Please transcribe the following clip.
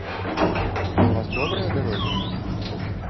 А ў вас добрыя дарогі?